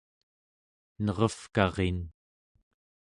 nerevkarin